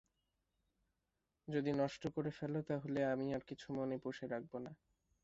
যদি নষ্ট করে ফেল তা হলে আমি আর কিছু মনে পুষে রাখব না।